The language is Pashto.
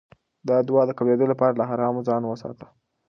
د دعا د قبلېدو لپاره له حرامو ځان وساته.